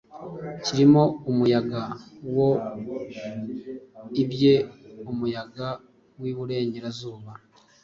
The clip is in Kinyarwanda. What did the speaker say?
kirimo umuyaga woe, uibye umuyaga wiburengerazuba,